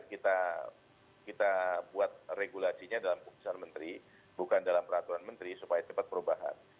kita buat regulasinya dalam keputusan menteri bukan dalam peraturan menteri supaya cepat perubahan